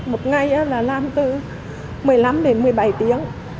một ngày là làm từ một mươi năm đến một mươi bảy tiếng